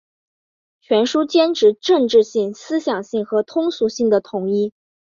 全书坚持政治性、思想性和通俗性的统一